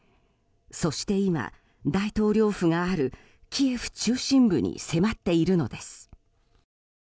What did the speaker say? そして今、大統領府があるキエフ中心部に迫っているのです。